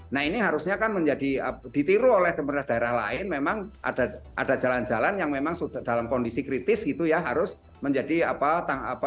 nah ini harusnya kan menjadi ditiru oleh pemerintah daerah lain memang ada jalan jalan yang memang sudah dalam kondisi kritis gitu ya harus menjadi apa